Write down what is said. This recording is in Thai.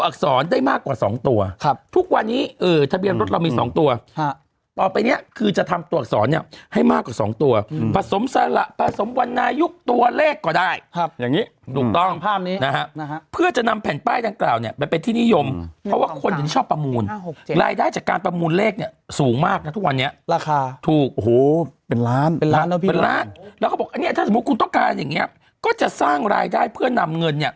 ครับทุกวันนี้เออทะเบียนรถเรามีสองตัวครับต่อไปเนี้ยคือจะทำตัวอักษรเนี้ยให้มากกว่าสองตัวอืมผสมสาระผสมวรรณายุคตัวเลขกว่าได้ครับอย่างงี้ถูกต้องภาพนี้นะฮะนะฮะเพื่อจะนำแผ่นป้ายดังกล่าวเนี้ยแบบเป็นที่นิยมเพราะว่าคนอย่างงี้ชอบประมูลห้าหกเจนรายได้จ